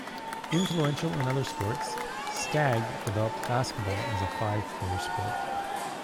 Influential in other sports, Stagg developed basketball as a five-player sport.